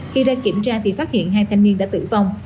khi ra kiểm tra thì phát hiện hai thanh niên đã tử vong